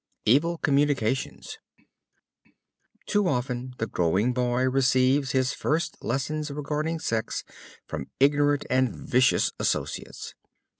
EVIL COMMUNICATIONS Too often, the growing boy receives his first lessons regarding sex from ignorant and vicious associates.